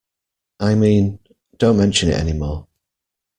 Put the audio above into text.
I mean, don't mention it any more.